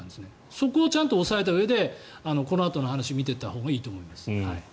そこをちゃんと押さえたうえでこのあとの話を見ていったほうがいいと思います。